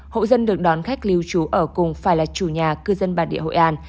hộ dân được đón khách lưu trú ở cùng phải là chủ nhà cư dân bản địa hội an